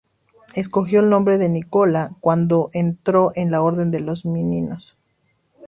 Escogió el nombre de Nicola, cuando entró en la Orden de los Mínimos.